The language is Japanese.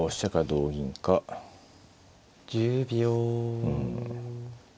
うん。